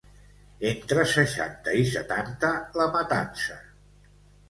Entre seixanta i setanta, la matança.